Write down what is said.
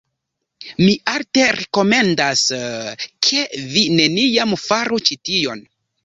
Mi alte rekomendas... ke vi neniam faru ĉi tion.